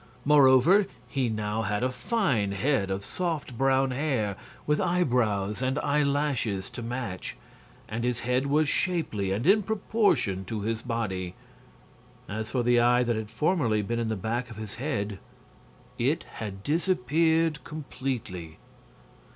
Moreover, he now had a fine head of soft brown hair, with eyebrows and eyelashes to match, and his head was shapely and in proportion to his body. As for the eye that had formerly been in the back of his head, it had disappeared completely.